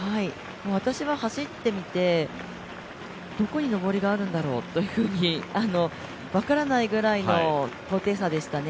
私は走ってみて、どこにのぼりがあるんだろうというふうに分からないぐらいの高低差でしたね。